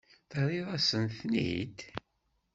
Terriḍ-asen-ten-id?